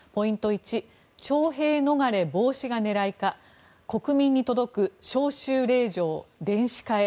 １徴兵逃れ防止が狙いか国民に届く招集令状、電子化へ。